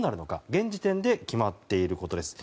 現時点で決まっていることです。